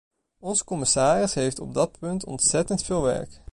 Onze commissaris heeft op dat punt ontzettend veel werk.